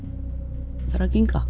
サラ金か？